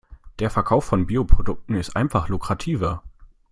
Der Verkauf von Bio-Produkten ist einfach lukrativer.